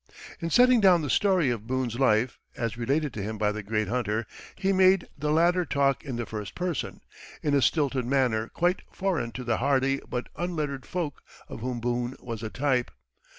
In setting down the story of Boone's life, as related to him by the great hunter, he made the latter talk in the first person, in a stilted manner quite foreign to the hardy but unlettered folk of whom Boone was a type.